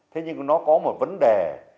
thế nhưng nó có một vấn đề